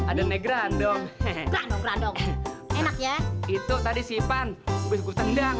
ada negeran dong enak ya itu tadi sipan